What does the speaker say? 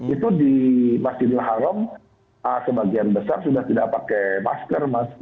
itu di masjidil haram sebagian besar sudah tidak pakai masker